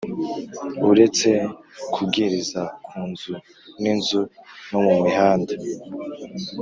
Uretse kubwiriza ku nzu ninzu no mu mihanda